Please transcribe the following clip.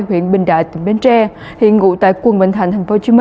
huyện bình đại tỉnh bến tre hiện ngụ tại quận bình thạnh tp hcm